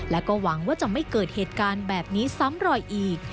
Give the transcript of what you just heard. และก็หวังว่าจะไม่เกิดเหตุการณ์แบบนี้ซ้ำรอยอีก